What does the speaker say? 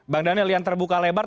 bang daniel yang terbuka lebar